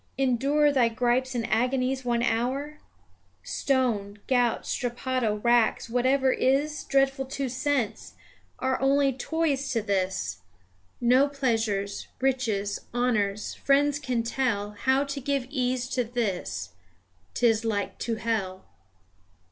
Endure thy gripes and agonies one hour? Stone, gout, strappado, racks, whatever is Dreadful to sense, are only toys to this No pleasures, riches, honours, friends can tell How to give ease to this, 'tis like to hell."